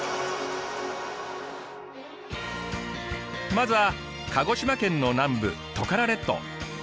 まずは鹿児島県の南部トカラ列島。